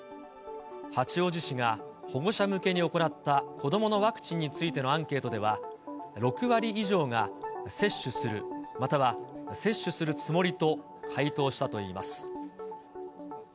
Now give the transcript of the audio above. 八王子市が保護者向けに行った子どものワクチンについてのアンケートでは、６割以上が接種する、または接種するつもりと回答したといいます。